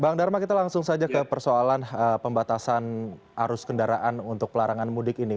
bang dharma kita langsung saja ke persoalan pembatasan arus kendaraan untuk pelarangan mudik ini